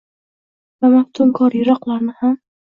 Va maftunkor yiroqlarni ham.